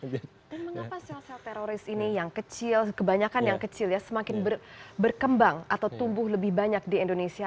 dan mengapa sosial teroris ini yang kecil kebanyakan yang kecil ya semakin berkembang atau tumbuh lebih banyak di indonesia